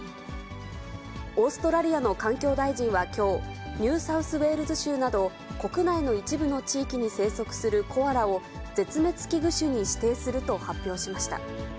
オーストラリアの環境大臣はきょう、ニューサウスウェールズ州など、国内の一部の地域に生息するコアラを、絶滅危惧種に指定すると発表しました。